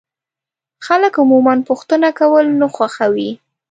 خلک عموما پوښتنه کول نه خوښوي.